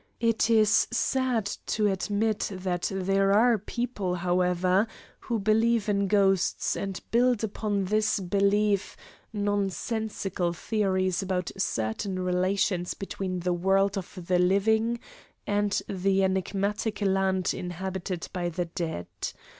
It is sad to admit that there are people, however, who believe in ghosts and build upon this belief nonsensical theories about certain relations between the world of the living and the enigmatic land inhabited by the dead.